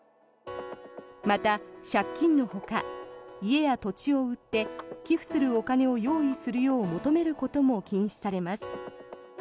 また、借金のほか家や土地を売って寄付するお金を用意するよう求めることも禁止されます。